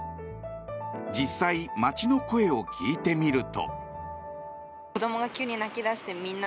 実際、街の声を聞いてみると。